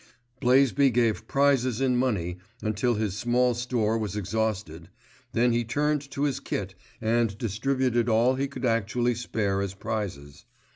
Blaisby gave prizes in money, until his small store was exhausted, then he turned to his kit and distributed all he could actually spare as prizes.